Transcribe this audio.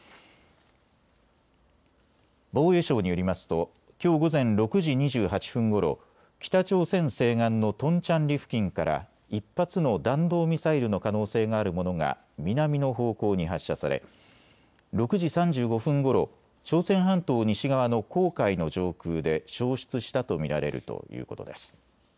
防衛省によりますときょう午前６時２８分ごろ、北朝鮮西岸のトンチャンリ付近から１発の弾道ミサイルの可能性があるものが南の方向に発射され、６時３５分ごろ、朝鮮半島西側の黄海の上空で消失したと見られるということです。